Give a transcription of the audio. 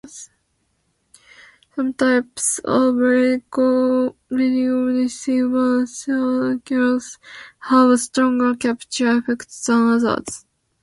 Some types of radio receiver circuits have a stronger capture effect than others.